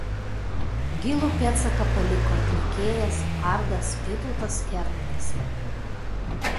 Gilų pėdsaką paliko atlikėjas bardas Vytautas Kernagis.